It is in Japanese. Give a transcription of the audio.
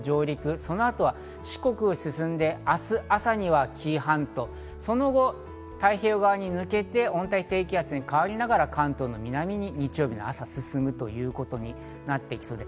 今日の夜あたりに九州北部に上陸、その後は四国を進んで明日の朝には紀伊半島、その後、太平洋側に抜けて、温帯低気圧に変わりながら、関東の南に日曜日の朝に進むということになっていきそうです。